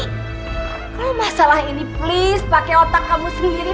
kalau masalah ini please pakai otak kamu sendiri